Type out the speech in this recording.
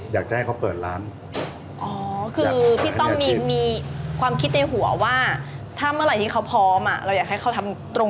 อยากจะให้เขาเปิดร้าน